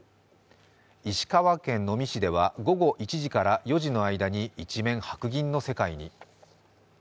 石川県能美市では午後１時から４時の間に一面、白銀の世界に。